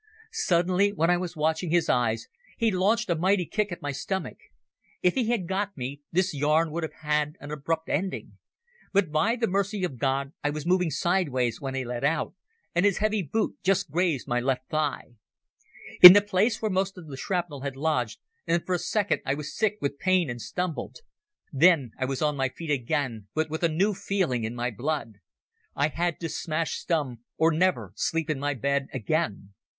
Suddenly, when I was watching his eyes, he launched a mighty kick at my stomach. If he had got me, this yarn would have had an abrupt ending. But by the mercy of God I was moving sideways when he let out, and his heavy boot just grazed my left thigh. It was the place where most of the shrapnel had lodged, and for a second I was sick with pain and stumbled. Then I was on my feet again but with a new feeling in my blood. I had to smash Stumm or never sleep in my bed again.